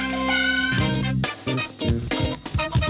สวัสดีครับ